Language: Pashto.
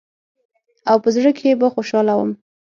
او په زړه کښې به خوشاله وم.